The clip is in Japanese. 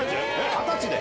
二十歳で！